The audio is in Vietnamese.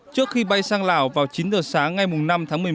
trước khi bay sang lào vào chín giờ sáng ngày năm tháng một mươi một